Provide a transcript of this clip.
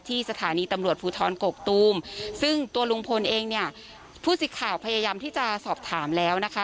สถานีตำรวจภูทรกกตูมซึ่งตัวลุงพลเองเนี่ยผู้สิทธิ์ข่าวพยายามที่จะสอบถามแล้วนะคะ